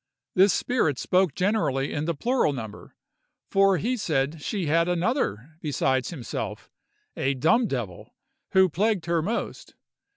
This spirit spoke generally in the plural number, for he said she had another besides himself, a dumb devil, who plagued her most.